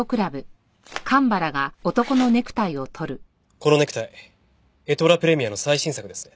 このネクタイエトラ・プレミアの最新作ですね。